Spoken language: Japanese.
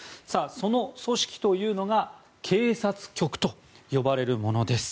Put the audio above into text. その組織というのが警察局と呼ばれるものです。